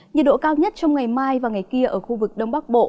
nhiệt độ cao nhất trong ngày mai và ngày kia ở khu vực đông bắc bộ